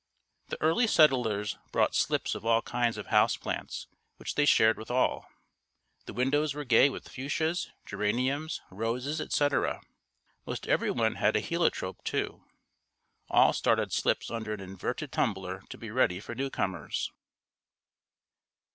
The early settlers brought slips of all kinds of houseplants which they shared with all. The windows were gay with fuchias, geraniums, roses, etc. Most everyone had a heliotrope too. All started slips under an inverted tumbler to be ready for newcomers.